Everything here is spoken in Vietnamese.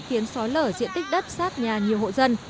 khiến sói lở diện tích đất sát nhà nhiều hộ dân